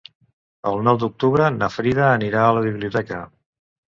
El nou d'octubre na Frida anirà a la biblioteca.